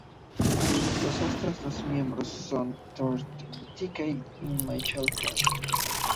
Los otros dos miembros son Thor Dickey y Michael Crain.